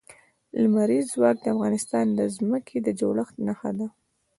لمریز ځواک د افغانستان د ځمکې د جوړښت نښه ده.